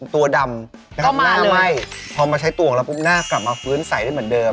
ตัวดำนะครับหน้าไหม้พอมาใช้ตัวออกแล้วปุ๊บหน้ากลับมาฟื้นใสได้เหมือนเดิม